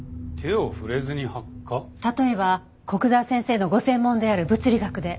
例えば古久沢先生のご専門である物理学で。